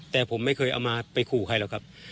แต่ผมไม่เคยเอามาไปขู่ใครหรอกครับ